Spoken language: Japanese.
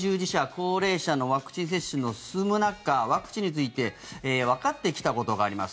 高齢者のワクチン接種の進む中ワクチンについてわかってきたことがあります。